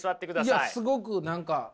いやすごく何か。